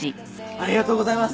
ありがとうございます。